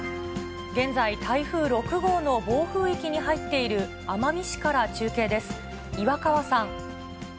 現在、台風６号の暴風域に入っている奄美市から中継です。